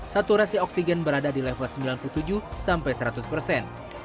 saturasi oksigen berada di level sembilan puluh tujuh sampai seratus persen